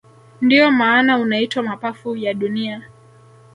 Ndio maana unaitwa mapafu ya dunia